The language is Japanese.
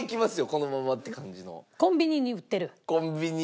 このままって感じの。